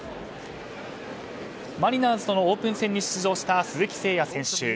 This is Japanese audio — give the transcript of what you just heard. マリナーズとのオープン戦に出場した鈴木誠也選手。